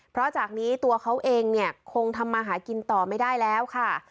เพราะจากนี้ตัวเขาเองเนี่ยคงทำมาหากินต่อไม่ได้แล้วค่ะ